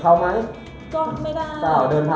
ก็ไม่ได้แต่อ่ะเดินไป